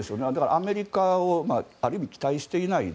アメリカをある意味期待していない。